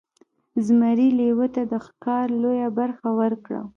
زمري لیوه ته د ښکار لویه برخه ورکړه.